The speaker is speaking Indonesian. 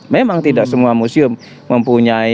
memang tidak semua museum mempunyai